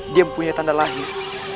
dia mempunyai tanda lahir